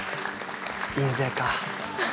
印税か。